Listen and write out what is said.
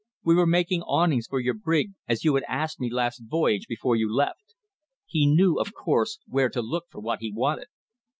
We were making awnings for your brig, as you had asked me last voyage before you left. He knew, of course, where to look for what he wanted.